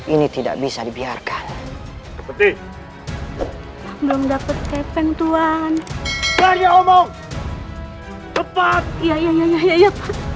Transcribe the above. ini tidak bisa dibiarkan berhenti belum dapet keping tuan jangan omong cepat iya iya iya iya